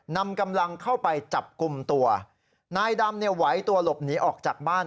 นำกำลังเข้าไปจับกลุ่มตัวนายดำเนี่ยไหวตัวหลบหนีออกจากบ้าน